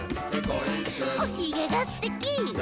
「おひげがすてき！」